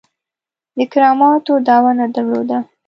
د کراماتو دعوه نه درلوده.